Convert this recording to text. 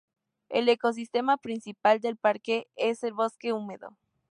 El ecosistema principal del parque es el bosque húmedo.